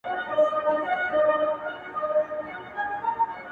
په صحبت نه مړېدی د عالمانو،